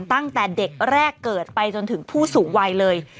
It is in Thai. ตั้งแต่เด็กแรกเกิดไปจนถึงผู้สูงวัยเลย